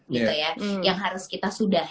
gitu ya yang harus kita sudah